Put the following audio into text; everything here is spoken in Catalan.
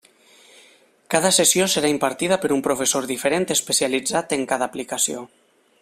Cada sessió serà impartida per un professor diferent especialitzat en cada aplicació.